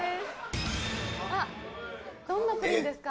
どんなプリンですか？